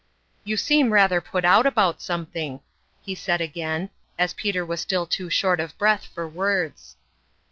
" You seem rather put out about something," he said again, as Peter was still too short of breath for words.